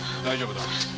大丈夫だ。